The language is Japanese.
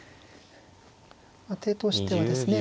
手としてはですね